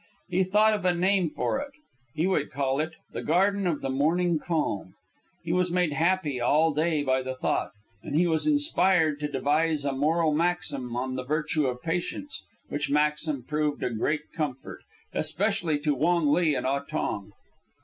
He thought of a name for it; he would call it The Garden of the Morning Calm. He was made happy all day by the thought, and he was inspired to devise a moral maxim on the virtue of patience, which maxim proved a great comfort, especially to Wong Li and Ah Tong.